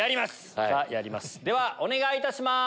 ではお願いいたします。